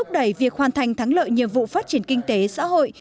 để hoàn thành thắng lợi nhiệm vụ phát triển kinh tế xã hội